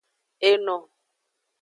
Eno.